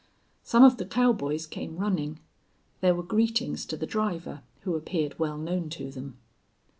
Some of the cowboys came running. There were greetings to the driver, who appeared well known to them.